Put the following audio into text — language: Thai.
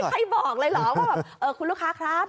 ทำไมไม่มีใครบอกเลยหรอว่าแบบเออคุณลูกค้าครับ